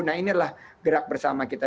nah inilah gerak bersama kita